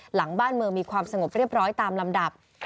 หลังบ้านเมืองมีความสงบเรียบร้อยตามลำดับ